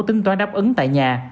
tính toán đáp ứng tại nhà